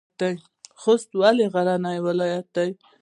خوست ولې غرنی ولایت دی؟